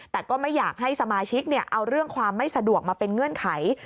แต่ก็ไม่อยากให้สมาชิกเอาเรื่องความไม่สะดวกมาเป็นเงื่อนไข